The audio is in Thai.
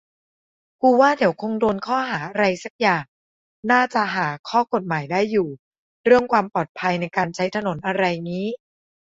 กูว่าเดี๋ยวคงโดนข้อหาอะไรสักอย่าง น่าจะหาข้อกฎหมายได้อยู่ เรื่องความปลอดภัยในการใช้ถนนอะไรงี้